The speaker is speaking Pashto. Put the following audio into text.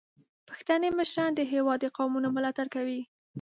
پښتني مشران د هیواد د قومونو ملاتړ کوي.